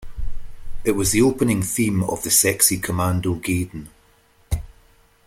It was the opening theme of the Sexy Commando Gaiden.